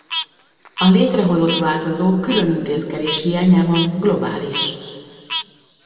A létrehozott változó külön intézkedés hiányában globális.